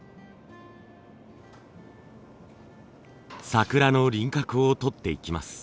桜の輪郭を取っていきます。